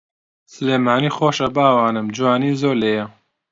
سلێمانی خۆشە باوانم جوانی زۆر لێیە